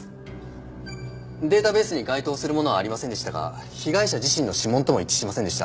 データベースに該当するものはありませんでしたが被害者自身の指紋とも一致しませんでした。